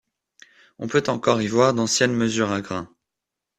On peut encore y voir d’anciennes mesures à grains.